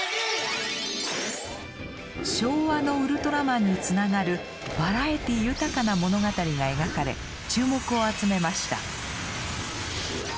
昭和の「ウルトラマン」につながるバラエティー豊かな物語が描かれ注目を集めました。